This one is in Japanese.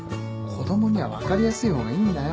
子供には分かりやすい方がいいんだよ。